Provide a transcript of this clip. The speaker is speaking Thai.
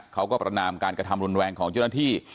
ประนามการกระทำรุนแรงของเจ้าหน้าที่